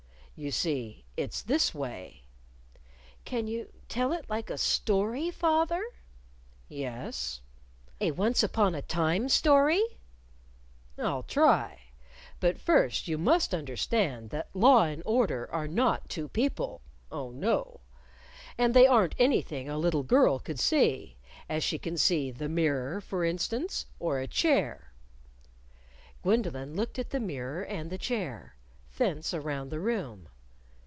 "You see it's this way:" "Can you tell it like a story, fath er?" "Yes." "A once upon a time story?" "I'll try. But first you must understand that law and order are not two people. Oh, no. And they aren't anything a little girl could see as she can see the mirror, for instance, or a chair " Gwendolyn looked at the mirror and the chair thence around the room.